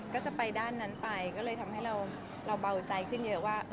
ก็จะไปด้านนั้นไปก็เลยทำให้เราเบาใจขึ้นเยอะว่า